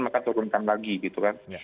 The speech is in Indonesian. maka turunkan lagi gitu kan